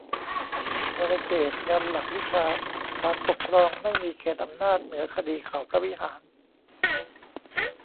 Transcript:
'วรเจตน์' ยันหลักวิชา ศาลปกครองไม่มีเขตอำนาจเหนือคดีเขาพระวิหาร